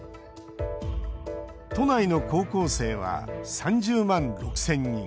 都内の高校生は３０万６０００人。